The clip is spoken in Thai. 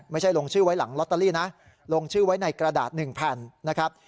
ไม่ใช่ลงชื่อไว้หลังลอตเตอรี่นะลงชื่อไว้ในกระดาษ๑แผ่นนะครับ